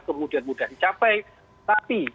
kemudian mudah dicapai tapi